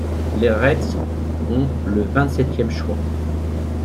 Les Reds ont le vingt-septième choix.